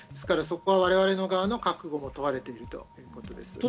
そこは我々側の各国も問われているということです。